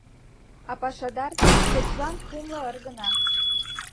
А пашадар кечылан кумло ыр гына.